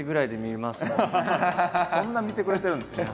そんな見てくれてるんですね